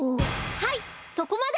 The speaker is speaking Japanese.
はいそこまで！